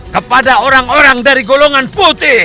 kepada orang orang dari golongan putih